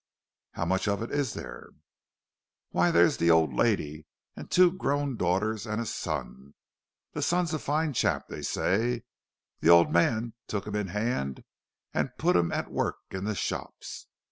"How much of it is there?" "Why, there's the old lady, and two grown daughters and a son. The son's a fine chap, they say—the old man took him in hand and put him at work in the shops.